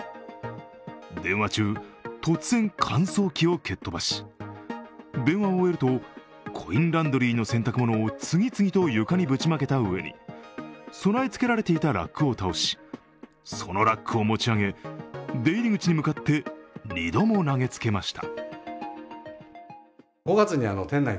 電話中、突然、乾燥機を蹴っ飛ばし、電話を終えるとコインランドリーの洗濯物を次々と床にぶちまけたうえに備えつけられていたラックを倒し、そのラックを持ち上げ、出入り口に向かって２度も投げつけました。